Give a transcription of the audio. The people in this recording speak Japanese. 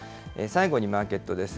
最後にマーケットです。